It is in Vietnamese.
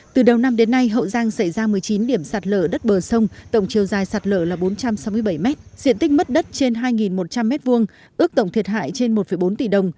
từ đầu năm đến nay hậu giang xảy ra một mươi chín điểm sạt lở đất bờ sông tổng chiều dài sạt lở là bốn trăm sáu mươi bảy m diện tích mất đất trên hai một trăm linh m hai ước tổng thiệt hại trên một bốn tỷ đồng